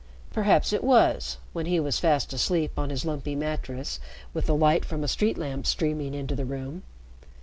Perhaps it was, when he was fast asleep on his lumpy mattress with the light from a street lamp streaming into the room.